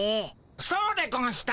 そうでゴンした。